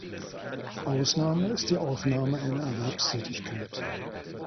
Ausnahme ist die Aufnahme einer Erwerbstätigkeit.